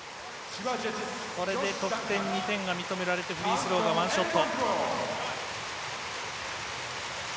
得点２点が認められてフリースローが１ショット。